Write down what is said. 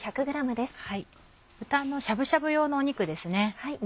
豚のしゃぶしゃぶ用の肉ですね。